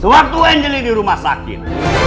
sewaktu angelique di rumah sakit